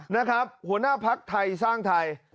นะครับหัวหน้าภักดิ์ไทยสร้างไทย